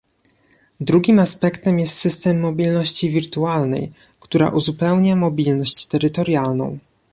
Drugim aspektem jest system mobilności wirtualnej, która uzupełnia mobilność terytorialną